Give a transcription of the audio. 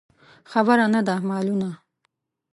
خبره نه ده مالونه.